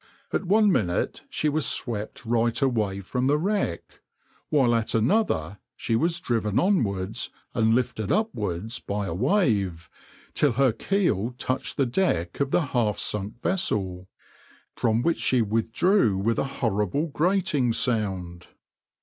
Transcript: At one minute she was swept right away from the wreck, while at another she was driven onwards and lifted upwards by a wave, till her keel touched the deck of the half sunk vessel, from which she withdrew with a horrible grating sound.